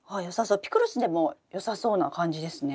ピクルスでもよさそうな感じですね。